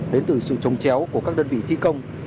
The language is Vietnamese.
đến từ sự trồng chéo của các đơn vị thi công